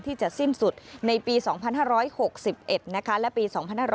ที่จะสิ้นสุดในปี๒๕๖๑และปี๒๕๖๐